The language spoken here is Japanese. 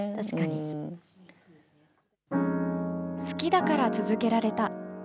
好きだから続けられた。